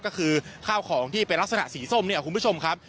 ก็คือข้าวของที่เป็นลักษณะสีส้มเนี่ยคุณผู้ชมครับ